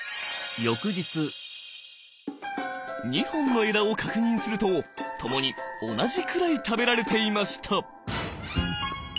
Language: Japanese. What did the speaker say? ２本の枝を確認すると共に同じくらい食べられていました。